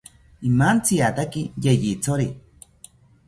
Imantsiataki yeyithori